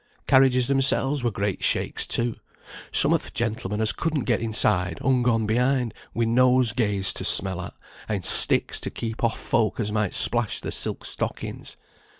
Carriages themselves were great shakes too. Some o' th' gentlemen as couldn't get inside hung on behind, wi' nosegays to smell at, and sticks to keep off folk as might splash their silk stockings.